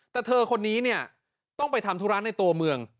แต่เธอคนนี้ต้องไปทำธุรัติในตัวเมือง